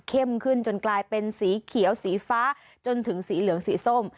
ขึ้นจนกลายเป็นสีเขียวสีฟ้าจนถึงสีเหลืองสีส้ม